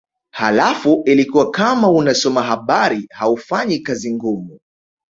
Halafu ilikuwa kama unasoma habari haufanyi kazi ngumu